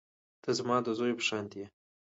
ته زما د زوى په شانتې يې.